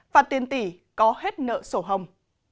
phạt tiền tỷ có hết nợ sổ hồng